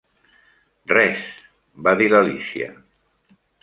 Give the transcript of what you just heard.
"Res", va dir l'Alícia.